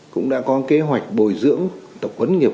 cũng đã có kế hoạch bồi dưỡng tập quấn nghiệp vụ